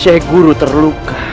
syekh guru terluka